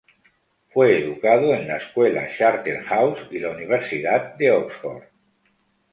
Fue educado en la escuela Charterhouse y la Universidad de Oxford.